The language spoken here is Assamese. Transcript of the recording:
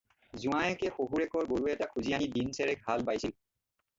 জোঁৱায়েকে শহুৰেকৰ গৰু এটা খুজি আনি দিনচেৰেক হাল বাইছিল।